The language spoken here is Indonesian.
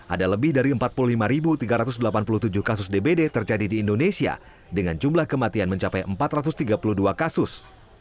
ada lebih dari empat puluh lima tiga ratus delapan puluh tujuh kasus dbd terjadi di indonesia dengan jumlah kematian mencapai empat ratus tiga puluh dua kasus